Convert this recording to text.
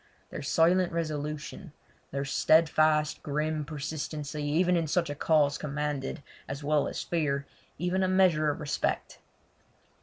Their silent resolution, their steadfast, grim, persistency even in such a cause commanded, as well as fear, even a measure of respect.